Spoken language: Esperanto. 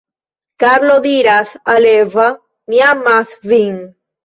Karlo diras al Eva: Mi amas vin.